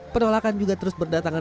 penolakan juga terus berdatangan